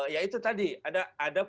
ya itu tadi ada